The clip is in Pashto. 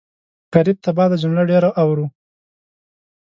غريب تباه دی جمله ډېره اورو